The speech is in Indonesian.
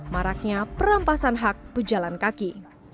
maraknya perampasan hak pejalan kaki